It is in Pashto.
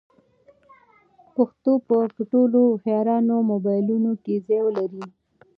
پښتو به په ټولو هوښیارانو موبایلونو کې ځای ولري.